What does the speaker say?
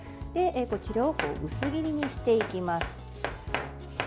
こちらを薄切りにしていきます。